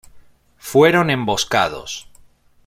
Fueron emboscados.